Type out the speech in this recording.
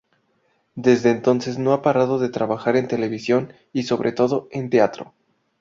Desde entonces no ha parado de trabajar en televisión y, sobre todo, en teatro.